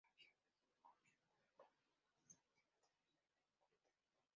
La vía de Bayona del Camino de Santiago atraviesa la localidad.